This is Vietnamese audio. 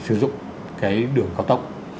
sử dụng cái đường cao tốc